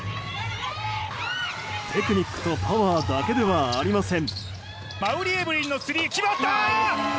テクニックとパワーだけではありません。